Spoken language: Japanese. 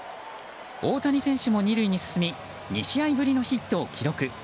大谷選手も２塁に進み２試合ぶりのヒットを記録。